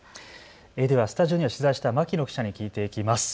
ではスタジオには取材した牧野記者に聞いていきます。